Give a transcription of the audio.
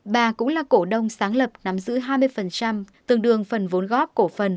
bà cũng là cổ đông sáng lập nắm giữ hai mươi tương đương phần vốn góp cổ phần